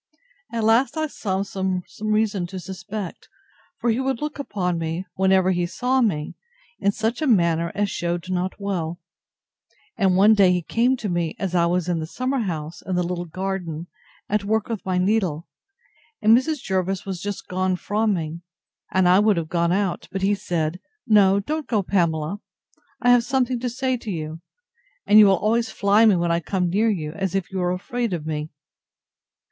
At last, I saw some reason to suspect; for he would look upon me, whenever he saw me, in such a manner, as shewed not well; and one day he came to me, as I was in the summer house in the little garden, at work with my needle, and Mrs. Jervis was just gone from me; and I would have gone out, but he said, No don't go, Pamela; I have something to say to you; and you always fly me when I come near you, as if you were afraid of me.